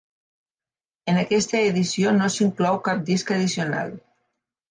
En aquesta edició no s'inclou cap disc addicional.